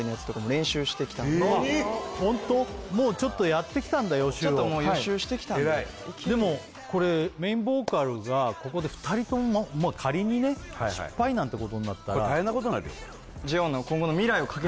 もうちょっとやってきたんだ予習をちょっともう予習してきたんででもこれメインボーカルがここで２人とも仮にね失敗なんてことになったら大変なことになるよでしょ？